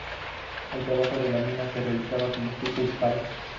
El trabajo en la mina se realizaba con pico y pala.